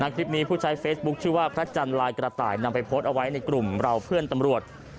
คลิปนี้ผู้ใช้เฟซบุ๊คชื่อว่าพระจันทร์ลายกระต่ายนำไปโพสต์เอาไว้ในกลุ่มเราเพื่อนตำรวจ